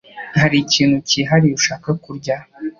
Hari ikintu cyihariye ushaka kurya?